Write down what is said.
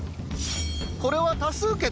これは多数決。